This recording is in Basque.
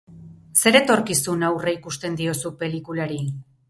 Zer etorkizun aurreikusten diozu pelikulari?